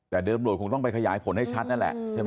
แต่เดิมตำรวจคงต้องไปขยายผลให้ชัดนั่นแหละใช่ไหม